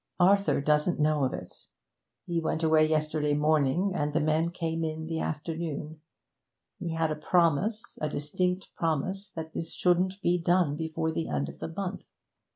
'Arthur doesn't know of it. He went away yesterday morning, and the men came in the afternoon. He had a promise a distinct promise that this shouldn't be done before the end of the month.